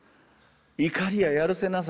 怒りややるせなさ